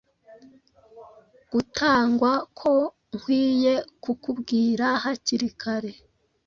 gutangwa Ko nkwiye kukubwira hakiri kare